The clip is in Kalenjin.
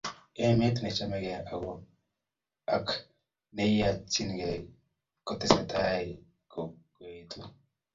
Emet nechamegei ak neiyanikei kotesetai koetu